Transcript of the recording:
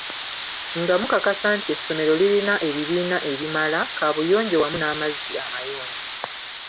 Nga mukakasa nti essomero lirina ebibiina ebimala, kaabuyonjo wamu n'amazzi amayonjo.